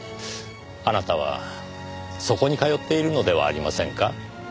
あなたはそこに通っているのではありませんか？